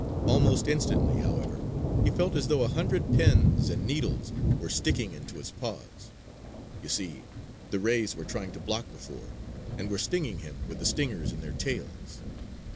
Almost instantly, however, he felt as though a hundred pins and needles were sticking into his paws. You see, the rays were trying to block the ford, and were stinging him with the stingers in their tails.